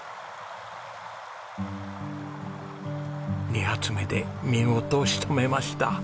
２発目で見事仕留めました。